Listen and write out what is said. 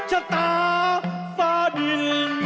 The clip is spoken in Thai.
เสาคำยันอาวุธิ